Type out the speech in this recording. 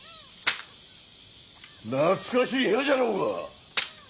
懐かしい部屋じゃろうが。